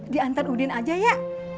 diantar udin aja ya